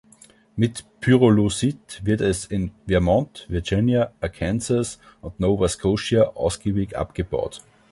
Mit Pyrolusit wird es in Vermont, Virginia, Arkansas und Nova Scotia ausgiebig abgebaut.